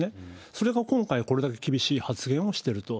それが今回、これだけ厳しい発言をしてると。